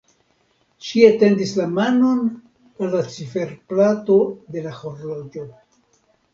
Ŝi etendis la manon al la ciferplato de la horloĝo.